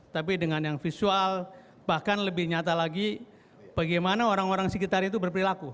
tapi dengan yang visual bahkan lebih nyata lagi bagaimana orang orang sekitar itu berperilaku